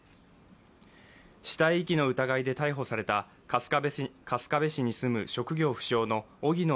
死体遺棄の疑いで逮捕された春日部市に住む職業不詳の荻野